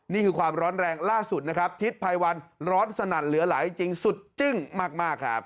นี่คือความร้อนแรงล่าสุดนะครับทิศภัยวันร้อนสนั่นเหลือหลายจริงสุดจึ้งมากครับ